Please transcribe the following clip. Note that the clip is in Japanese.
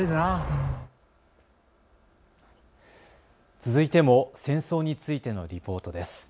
続いても戦争についてのリポートです。